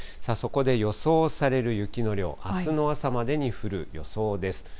そこで予想される雪の量、あすの朝までに降る予想です。